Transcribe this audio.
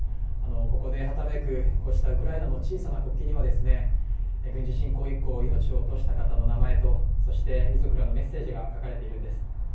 ここではためくこうしたウクライナの小さな国旗には軍事侵攻以降、命を落とした方の名前とそして遺族らのメッセージが書かれているんです。